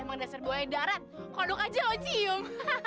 emang dasar buaya darat kodok aja oh cium